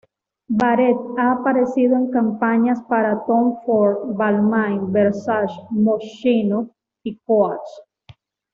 Barrett ha aparecido en campañas para Tom Ford, Balmain, Versace, Moschino y Coach.